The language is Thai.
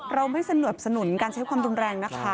เราไม่สนับสนุนการใช้ความรุนแรงนะคะ